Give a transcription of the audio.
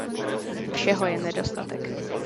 Všeho je nedostatek.